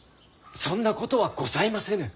そんなことはございませぬ。